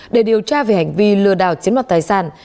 để điều tra về hành vi lừa đảo chiến mặt tài sản